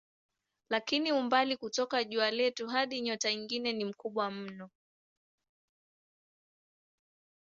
Lakini umbali kutoka jua letu hadi nyota nyingine ni mkubwa mno.